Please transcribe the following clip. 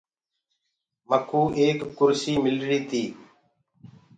مڪوُ ايڪ ڪُرسي ملري تي۔